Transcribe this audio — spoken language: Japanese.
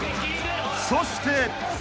［そして］